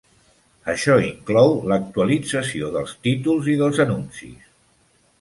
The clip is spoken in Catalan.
Això inclou l'actualització dels títols i dels anuncis.